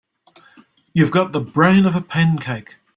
You've got the brain of a pancake.